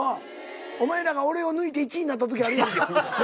お前らが俺を抜いて１位になったときあるやんけ。